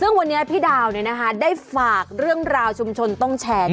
ซึ่งวันนี้พี่ดาวได้ฝากเรื่องราวชุมชนต้องแชร์